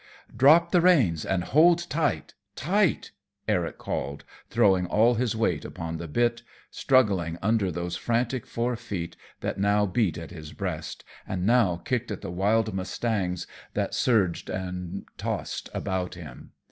"Drop the reins and hold tight, tight!" Eric called, throwing all his weight upon the bit, struggling under those frantic fore feet that now beat at his breast, and now kicked at the wild mustangs that surged and tossed about him.